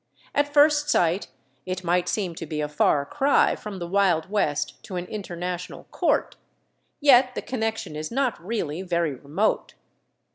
At first sight it might seem to be a far cry from the Wild West to an International Court. Yet the connection is not really very remote.